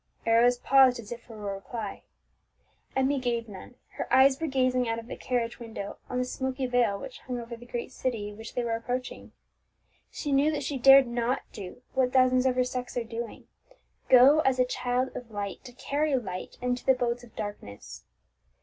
Arrows paused as if for a reply. Emmie gave none; her eyes were gazing out of the carriage window on the smoky veil which hung over the great city which they were approaching; she knew that she dared not do, what thousands of her sex are doing, go as a child of light to carry light into the abodes of darkness.